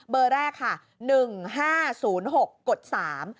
เบอร์แรกค่ะ๑๕๐๖๓